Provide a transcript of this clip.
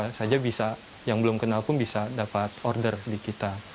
bisa saja bisa yang belum kenal pun bisa dapat order di kita